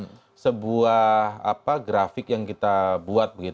ini sebuah grafik yang kita buat